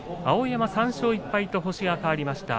碧山は３勝１敗と星が変わりました。